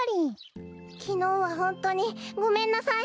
きのうはホントにごめんなさい。